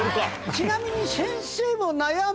ちなみに。